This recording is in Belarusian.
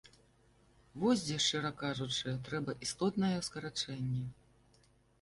Вось дзе, шчыра кажучы, трэба істотнае скарачэнне.